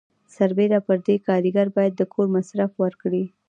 سربیره پر دې کارګر باید د کور مصرف ورکړي.